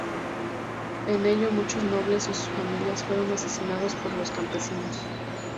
En ello, muchos nobles y sus familias fueron asesinados por los campesinos.